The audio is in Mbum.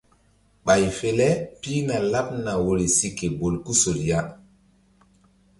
Ɓay fe le pihna laɓ woyri si ke bolkusol ya.